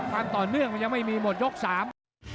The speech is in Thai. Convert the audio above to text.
ความต่อเนื่องมันยังไม่มีหมดยกสาม